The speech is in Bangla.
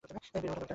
বেড়ে ওঠা ঢাকায়।